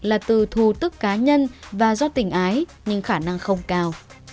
là từ thù tức cá nhân và do tình ái nhưng khả năng không cao